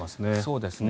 そうですね。